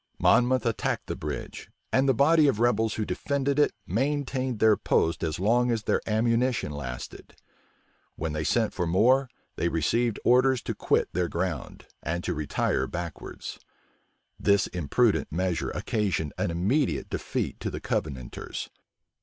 Monmouth attacked the bridge and the body of rebels who defended it maintained their post as long as their ammunition lasted. When they sent for more, they received orders to quit their ground, and to retire backwards. This imprudent measure occasioned an immediate defeat to the Covenanters.